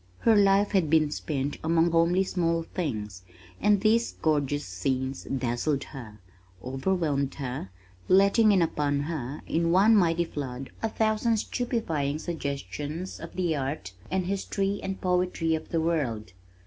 Her life had been spent among homely small things, and these gorgeous scenes dazzled her, overwhelmed her, letting in upon her in one mighty flood a thousand stupefying suggestions of the art and history and poetry of the world.